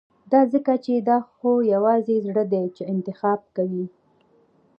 دا ځکه چې دا خو يوازې زړه دی چې انتخاب کوي.